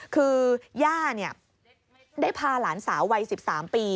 คือย่าได้พาหลานสาววัย๑๓ปี